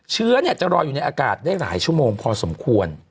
เชื้อจะรออยู่ในอากาศได้หลายชั่วโมงพอสมควร